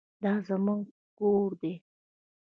دا زموږ ګور دی